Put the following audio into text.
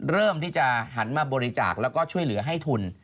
เริ่มที่จะหันมาบริจาคแล้วก็ช่วยเหลือให้ทุน